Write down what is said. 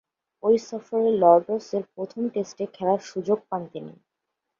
ঐ সফরে লর্ডসের প্রথম টেস্টে খেলার সুযোগ পান তিনি।